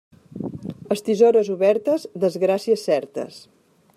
Estisores obertes, desgràcies certes.